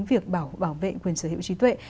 việc bảo vệ quyền sở hữu trí tuệ